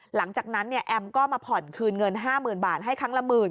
หลังจากนั้นเนี่ยแอมก็มาผ่อนคืนเงิน๕๐๐๐บาทให้ครั้งละหมื่น